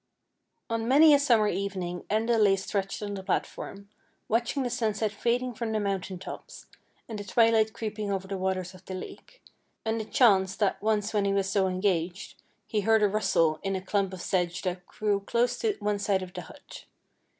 On many a summer evening Enda lay stretched on the platform, watching the sunset fading from the mountain tops, and the twilight creeping over the waters of the lake, and it chanced that once when he was so engaged he heard a rustle in a 23 24 FAIKY TALES clump of sedge that grew close to one side of the hut.